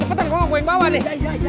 cepetan gue yang bawa deh